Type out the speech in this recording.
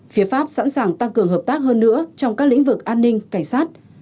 phía pháp sẵn sàng tăng cường hợp tác hơn nữa trong các lĩnh vực an ninh cảnh sát